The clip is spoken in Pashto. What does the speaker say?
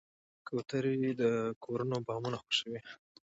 کوترې د کورونو بامونه خوښوي.